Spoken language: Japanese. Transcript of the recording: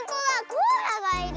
コアラがいる。